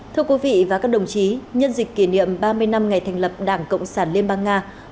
thưa quý vị và các đồng chí nhân dịp kỷ niệm ba mươi năm ngày thành lập đảng cộng sản liên bang nga